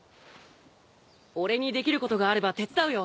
俺にできることがあれば手伝うよ。